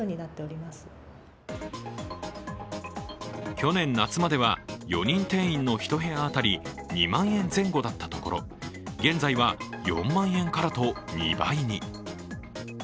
去年夏までは４人定員の１部屋当たり２万円前後だったところ、現在は４万円からと２倍に。